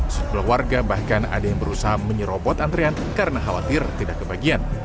sejumlah warga bahkan ada yang berusaha menyerobot antrean karena khawatir tidak kebagian